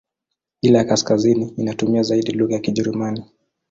Ile ya kaskazini inatumia zaidi lugha ya Kijerumani.